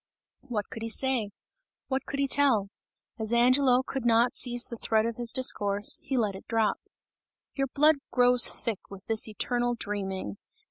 What could he say? What could he tell? As Angelo could not seize the thread of his discourse, he let it drop. "Your blood grows thick with this eternal dreaming!